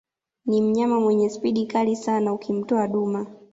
Ni mnyama mwenye speed kali sana ukimtoa duma